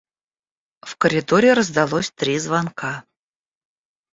В коридоре раздалось три звонка.